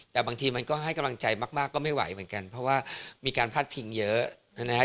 แต่บางทีมันก็ให้กำลังใจมากก็ไม่ไหวเหมือนกันเพราะว่ามีการพาดพิงเยอะนะฮะ